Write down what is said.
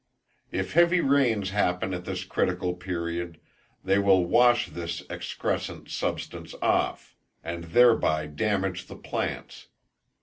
If heavy rains happen at this critical period, they will wash this excrescent substance off, and thereby damage the plants.